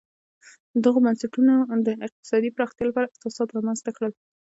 دغو بنسټونو د اقتصادي پراختیا لپاره اساسات رامنځته کړل.